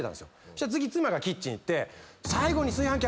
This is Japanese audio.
そしたら次妻がキッチン行って。